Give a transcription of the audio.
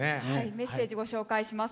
メッセージご紹介します。